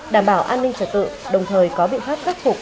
đảm bảo an ninh trật tự đồng thời có biện pháp khắc phục